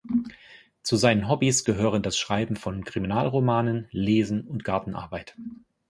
Zu seinen Hobbys gehören das Schreiben von Kriminalromanen, Lesen und Gartenarbeit.